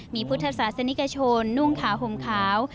มีพุทธศาสนิกชนนุ่งขาวห่มขาว